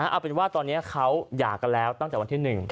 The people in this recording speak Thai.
เอาเป็นว่าตอนนี้เขาหย่ากันแล้วตั้งแต่วันที่๑